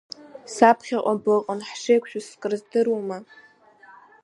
Саԥхьаҟа быҟан, ҳшеиқәшәоз крыздыруама…